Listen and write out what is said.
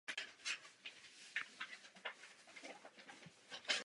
Repertoár divadla byl a je rozmanitý.